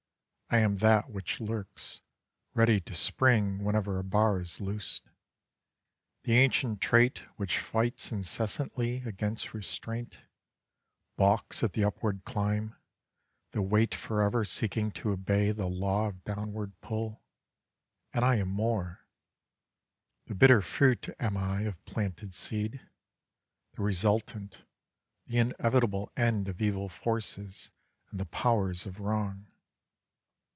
I am that which lurks, Ready to spring whenever a bar is loosed; The ancient trait which fights incessantly Against restraint, balks at the upward climb; The weight forever seeking to obey The law of downward pull; and I am more: The bitter fruit am I of planted seed; The resultant, the inevitable end Of evil forces and the powers of wrong.